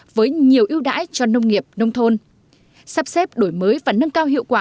với nhiều ưu đãi cho nông nghiệp nông thôn sắp xếp đổi mới và nâng cao hiệu quả